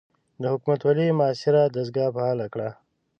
د حکومتوالۍ معاصره دستګاه فعاله کړه.